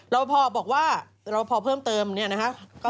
เราพอบอกว่าเราพอเพิ่มเติมเนี่ยนะคะ